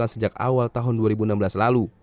sejak awal tahun dua ribu enam belas lalu